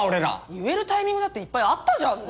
言えるタイミングだっていっぱいあったじゃんね。